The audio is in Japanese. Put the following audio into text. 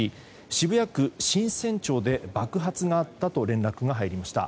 渋谷区神泉町で爆発があったと連絡が入りました。